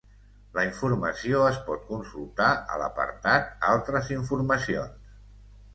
La informació es pot consultar a l'apartat ''Altres informacions''.